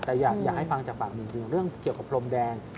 แต่อยากให้ฟังจากปากจริงเรื่องเกี่ยวกับพรมแดง